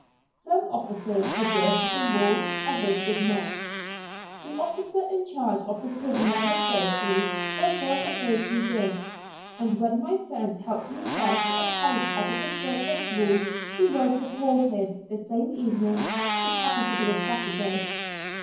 Some officers adhered to the rule, others did not. The officer in charge of the prisoner referred to was one of those who did, and when my friend helped himself to a pint out of the surplus gruel he was "reported" the same evening (which happened to be a Saturday).